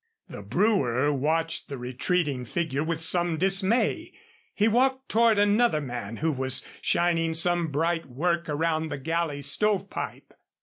The brewer watched the retreating figure with some dismay. He walked toward another man who was shining some bright work around the galley stovepipe.